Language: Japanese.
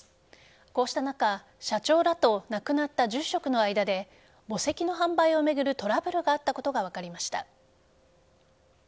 こうした中社長らと亡くなった住職の間で墓石の販売を巡るトラブルがあったことが分かりました。